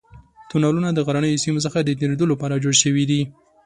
تونلونه د غرنیو سیمو څخه د تېرېدو لپاره جوړ شوي دي.